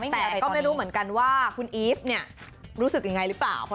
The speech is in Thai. แต่ก็ไม่รู้เหมือนกันว่าคุณอีฟเนี่ยรู้สึกยังไงหรือเปล่า